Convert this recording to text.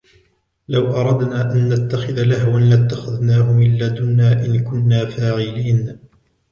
لَوْ أَرَدْنَا أَنْ نَتَّخِذَ لَهْوًا لَاتَّخَذْنَاهُ مِنْ لَدُنَّا إِنْ كُنَّا فَاعِلِينَ